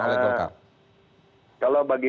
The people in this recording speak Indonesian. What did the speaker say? oleh golkar kalau bagi